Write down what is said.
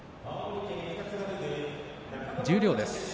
十両です。